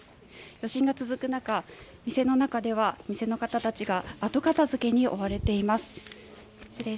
余震が続く中、店の中では店の方が後片付けに追われています。